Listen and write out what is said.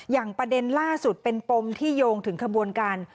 อย่างประเด็นล่าสุดเป็นปมที่โยงถึงขบวนการ